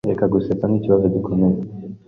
Reka gusetsa. Ni ikibazo gikomeye.